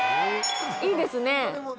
いいですね。